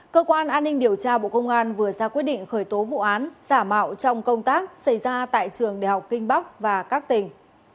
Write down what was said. cơ quan an ninh điều tra bộ công an vừa ra quyết định khởi tố vụ án giả mạo trong công tác xảy ra tại trường đại học kinh bắc và các tỉnh